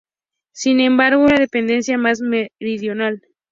Sin embargo, es la dependencia más meridional.